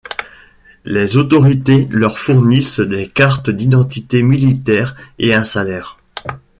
Les autorités leur fournissent des cartes d'identité militaires et un salaire.